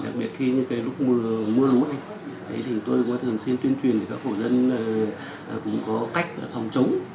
đặc biệt khi lúc mưa lút tôi cũng thường xuyên tuyên truyền cho các hộ dân cũng có cách phòng chống